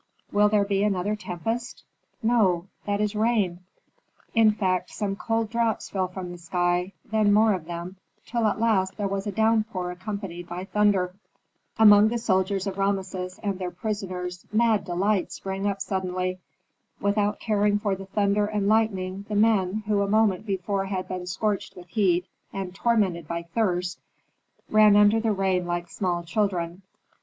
"Will there be another tempest?" "No; that is rain." In fact some cold drops fell from the sky, then more of them, till at last there was a downpour accompanied by thunder. Among the soldiers of Rameses and their prisoners mad delight sprang up suddenly. Without caring for the thunder and lightning the men, who a moment before had been scorched with heat, and tormented by thirst, ran under the rain like small children.